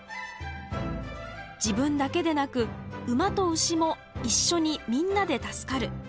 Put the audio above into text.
自分だけでなく馬と牛も一緒にみんなで助かる。